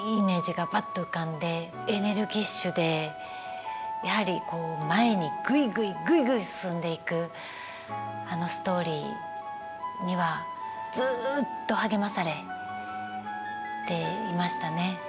エネルギッシュでやはりこう前にぐいぐいぐいぐい進んでいくあのストーリーにはずっと励まされていましたね。